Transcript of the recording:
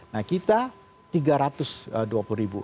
nah kita rp tiga ratus dua puluh